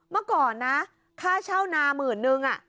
เมื่อก่อนนะค่าเช่านาหมื่นนึง